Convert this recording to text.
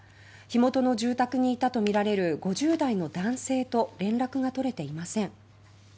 火元の住宅にいたとみられる５０代の男性と連絡が取れていません。